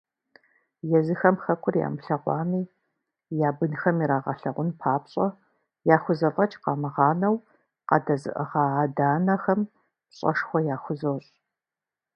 Езыхэм хэкур ямылъэгъуами, я бынхэм ирагъэлъагъун папщӏэ яхузэфӏэкӏ къамыгъанэу къадэзыӏыгъа адэ-анэхэм пщӏэшхуэ яхузощӏ!